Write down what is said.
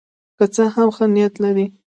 که څه هم ښه نیت لري.